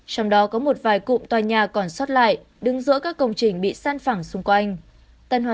trong đó có một vài cụm tòa nhà còn xót lại đứng giữa các công trình bị san phẳng xung quanh